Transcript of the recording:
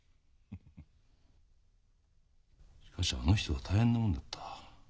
しかしあの人は大変なものだった。